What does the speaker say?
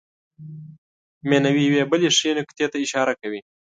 مینوي یوې بلې ښې نکتې ته اشاره کوي.